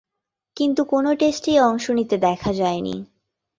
কিন্তু কোন টেস্টেই অংশ নিতে দেখা যায়নি।